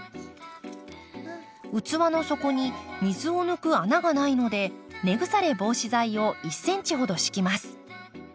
器の底に水を抜く穴がないので根腐れ防止剤を１ｃｍほど敷きます。